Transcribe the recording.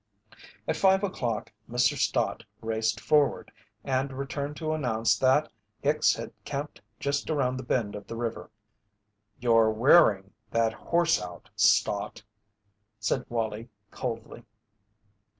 At five o'clock Mr. Stott raced forward and returned to announce that Hicks had camped just around the bend of the river. "You're wearing that horse out, Stott," said Wallie, coldly.